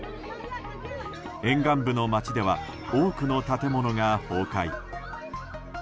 沿岸部の街では多くの建物が崩壊。